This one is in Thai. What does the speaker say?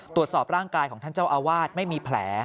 ตรวจสอบร่างกายของท่านเจ้าอาวาสไม่มีแผล